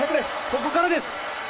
「ここからです」